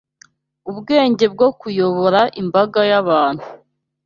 Ubwenge bwo kuyobora imbaga y’abantu